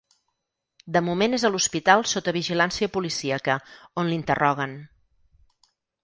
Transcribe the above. De moment és a l’hospital sota vigilància policíaca, on l’interroguen.